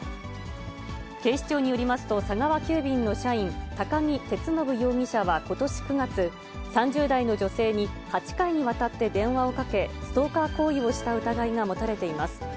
警視庁によりますと、佐川急便の社員、都木徹信容疑者はことし９月、３０代の女性に、８回にわたって電話をかけ、ストーカー行為をした疑いが持たれています。